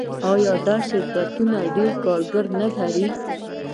آیا دا شرکتونه ډیر کارګران نلري؟